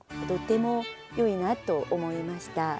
とてもよいなと思いました。